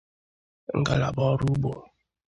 ngalaba ọrụ ugbo